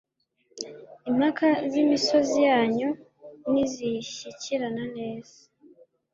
Impaka z’imisozi yanyu Nizishyikirana neza,